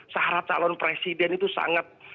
syarat calon presiden itu sangat